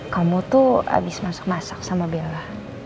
kamu tuh habis masak masak sama bella